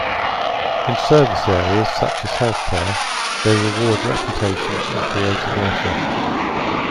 In service areas, such as healthcare, they reward reputation and create inertia.